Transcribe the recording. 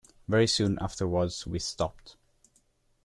Very soon afterwards we stopped.